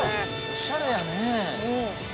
◆おしゃれやね。